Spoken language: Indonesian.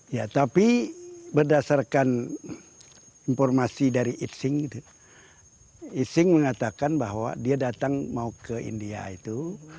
ya tapi berdasarkan informasi dari itshing ising mengatakan bahwa dia datang mau ke india itu